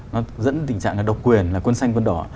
nó dẫn tình trạng là độc quyền là quân xanh quân đỏ